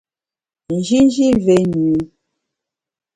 Njinji mvé nyü.